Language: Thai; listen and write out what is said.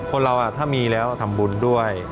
คนเราถ้ามีแล้วทำบุญด้วย